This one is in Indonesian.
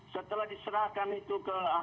setelah diserahkan itu ke